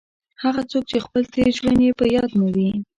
هغه څوک چې خپل تېر ژوند یې په یاد نه وي.